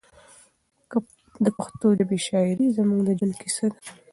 د پښتو ژبې شاعري زموږ د ژوند کیسه ده.